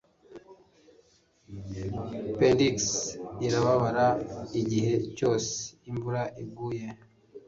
Pendix irababara igihe cyose imvura iguye